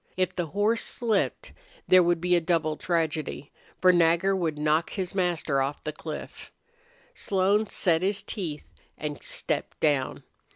If the horse slipped there would be a double tragedy, for Nagger would knock his master off the cliff. Slone set his teeth and stepped down.